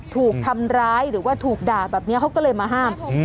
ถูกทำร้ายหรือว่าถูกด่าแบบนี้เขาก็เลยมาห้าม